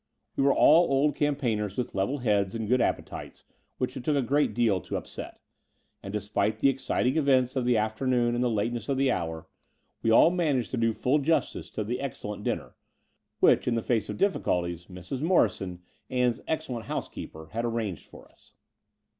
We were all old campaigners with level heads and good appetites, which it took a great deal to upset; and despite the exciting events of the afternoon and The Brighton Road 8i the lateness of the hour, we all managed to do full justice to the excellent dinner, which, in the face of difficulties, Mrs. Morrison, Ann's excellent housekeeper, had arranged for us.